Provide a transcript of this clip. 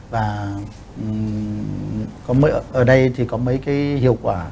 và ở đây thì có mấy cái hiệu quả